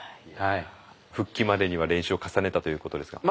復帰までには練習を重ねたということですが。